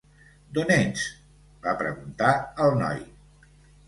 "D'on ets?", va preguntar el noi.